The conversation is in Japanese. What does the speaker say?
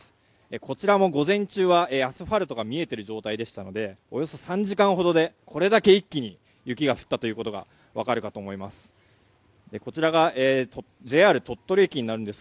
こちらも午前中はアスファルトが見えている状態でしたのでおよそ３時間ほどでこれだけ一気に雪が降ったということが分かるかと思います。